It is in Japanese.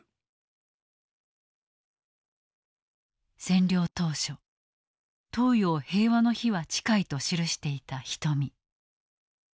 占領当初東洋平和の日は近いと記していた人見。